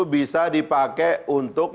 bisa dipakai untuk